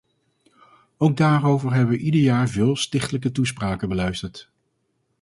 Ook daarover hebben we ieder jaar veel stichtelijke toespraken beluisterd.